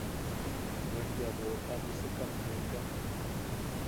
Nuen bea boʼota bwisekamme tea.